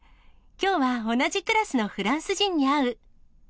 きょうは同じクラスのフランス人に会う。